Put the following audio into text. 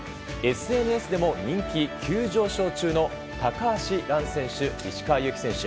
ＳＮＳでも人気急上昇中の高橋藍選手、石川祐希選手。